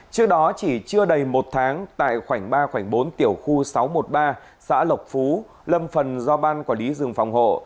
trước đó chỉ chưa đầy một tháng tại khoảnh ba bốn tiểu khu sáu trăm một mươi ba xã lộc phú lâm phần do ban quản lý rừng phòng hộ